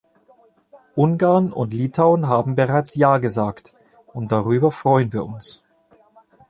Ungarn und Litauen haben bereits Ja gesagt, und darüber freuen wir uns.